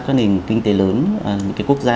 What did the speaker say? các nền kinh tế lớn những quốc gia